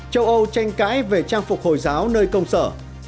châu âu tranh cãi về trang phục hồi giáo nơi công sở